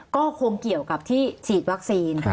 ก็คงเกี่ยวกับที่ฉีดวัคซีน